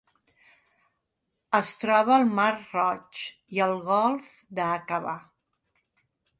Es troba al Mar Roig i el Golf d'Aqaba.